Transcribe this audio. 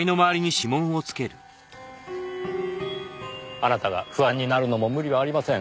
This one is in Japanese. あなたが不安になるのも無理はありません。